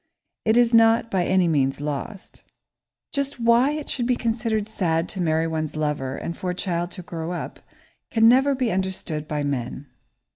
It is not by any means lost. [Sidenote: "The Eternal Womanly"] Just why it should be considered sad to marry one's lover and for a child to grow up, can never be understood by men.